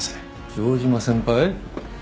城島先輩。